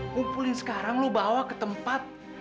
kumpulin sekarang lo bawa ke tempat